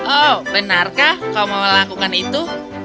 oh benarkah kau mau melakukan itu